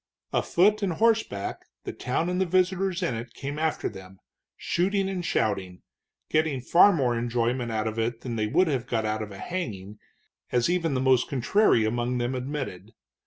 Afoot and horseback the town and the visitors in it came after them, shooting and shouting, getting far more enjoyment out of it than they would have got out of a hanging, as even the most contrary among them admitted.